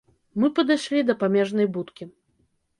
Мы падышлі да памежнай будкі.